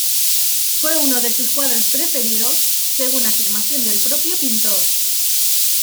Fue uno de sus cuadros preferidos, según afirmación del propio pintor.